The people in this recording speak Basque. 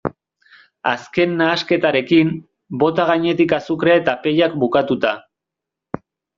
Azken nahasketarekin, bota gainetik azukrea eta pellak bukatuta.